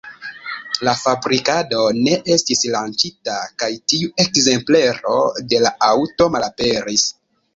La fabrikado ne estis lanĉita kaj tiu ekzemplero de la aŭto malaperis.